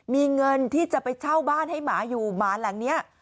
มีเงินที่จะไปเช่าบ้านให้หมาอยู่หมาหลังนี้